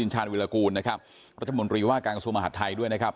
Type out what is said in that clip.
ชาญวิรากูลนะครับรัฐมนตรีว่าการกระทรวงมหาดไทยด้วยนะครับ